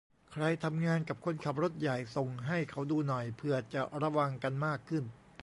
ใครทำงานกับคนขับรถใหญ่ ส่งให้เขาดูหน่อย เผื่อจะระวังกันมากขึ้น